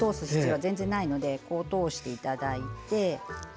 全部通す必要はないので通していただいて。